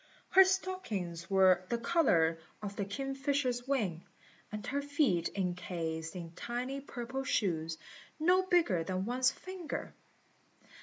Her stockings were the colour of the kingfisher's wing, and her feet encased in tiny purple shoes, no bigger than one's finger.